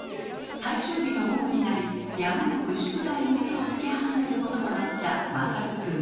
最終日の午後になりやむなく宿題に手を付け始めることとなった大くん。